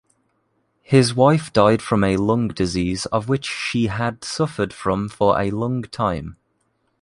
His wife died from a lung disease of which she had suffered from for a long time.